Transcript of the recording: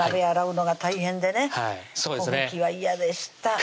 粉吹きは嫌でした